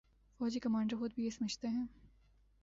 فوجی کمانڈر خود بھی یہ سمجھتے ہیں۔